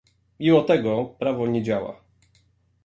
Mimo tego prawo nie działa